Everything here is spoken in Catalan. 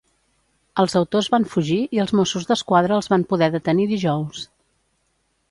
Els autors van fugir i els Mossos d'Esquadra els van poder detenir dijous.